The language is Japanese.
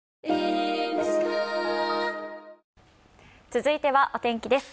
続いてはお天気です